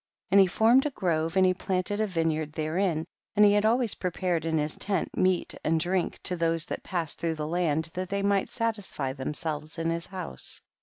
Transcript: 37. And he formed a grove and he planted a vineyard therein, and he had always prepared in his tent meat and drink to those that passed through the land, that they might satisfy themselves in his house.